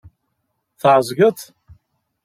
Tɛezgeḍ?